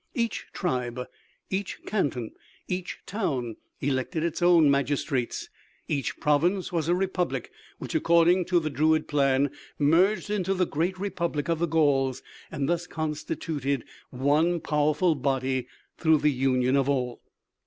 Each tribe, each canton, each town, elected its own magistrates; each province was a republic which, according to the druid plan, merged into the great Republic of the Gauls, and thus constituted one powerful body through the union of all."